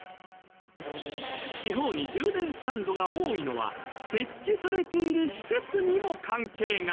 地方に充電スタンドが多いのは設置されている施設にも関係が。